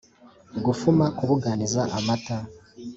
gufuma, ku buganiza amata